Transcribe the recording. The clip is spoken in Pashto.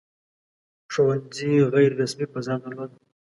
• ښوونځي غیر رسمي فضا درلوده.